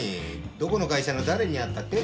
どこの会社の誰に会ったって？